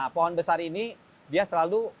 pohon besar ini dia selalu